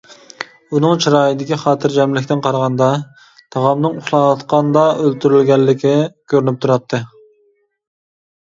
ئۇنىڭ چىرايىدىكى خاتىرجەملىكتىن قارىغاندا، تاغامنىڭ ئۇخلاۋاتقاندا ئۆلتۈرۈلگەنلىكى كۆرۈنۈپ تۇراتتى.